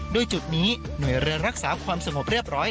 จุดนี้หน่วยเรือรักษาความสงบเรียบร้อย